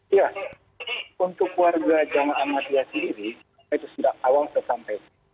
ya jadi untuk warga jawa amat yasiri itu sudah awal sudah sampai